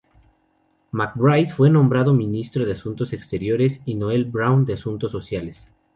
MacBride fue nombrado ministro de asuntos exteriores y Noel Browne de asuntos sociales.